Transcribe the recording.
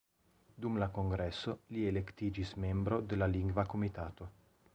Dum la kongreso li elektiĝis membro de la Lingva Komitato.